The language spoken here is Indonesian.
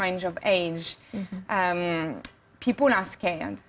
orang orang takut untuk berbicara